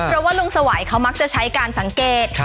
เพราะว่าลุงสวัยเขามักจะใช้การสังเกต